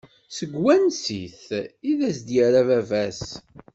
Seg wansi-t? I d as-yerra baba-s.